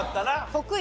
得意！